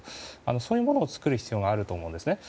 そういうものを作る必要があると思うんですね。